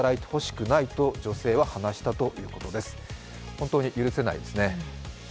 本当に許せないですね。